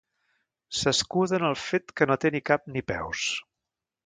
S'escuda en el fet que no té ni cap ni peus.